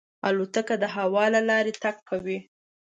الوتکه د هوا له لارې تګ کوي.